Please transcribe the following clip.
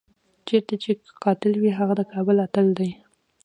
چېرته چې قاتل وي هغه د کابل اتل دی.